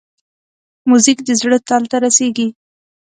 موزیک د زړه تل ته رسېږي.